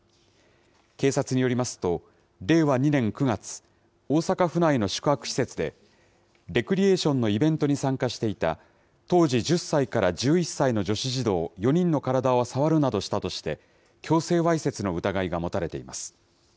警察によりますと、令和２年９月、大阪府内の宿泊施設で、レクリエーションのイベントに参加していた、当時１０歳から１１歳の女子児童４人の体を触るなどしたとして、強制わいせつの疑いが持たれています。